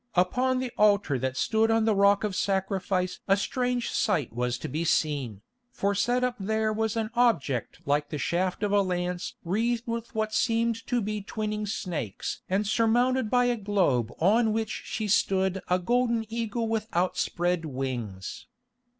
Upon the altar that stood on the Rock of Sacrifice a strange sight was to be seen, for set up there was an object like the shaft of a lance wreathed with what seemed to be twining snakes and surmounted by a globe on which stood a golden eagle with outspread wings.